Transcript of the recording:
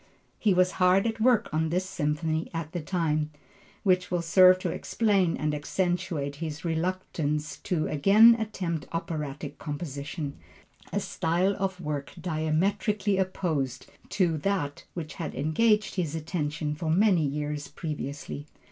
He was hard at work on this Symphony at the time, which will serve to explain and accentuate his reluctance to again attempt operatic composition, a style of work diametrically opposed to that which had engaged his attention for many years previously.